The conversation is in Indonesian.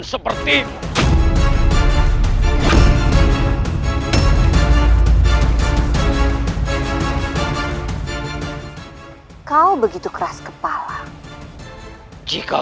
kau begitu keras kepala jika